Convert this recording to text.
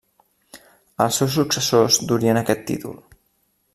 Els seus successors durien aquest títol.